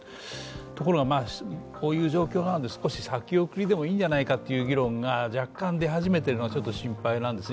ところが、こういう状況なので少し先送りでもいいんじゃないかという議論が若干出始めているのがちょっと心配なんですね。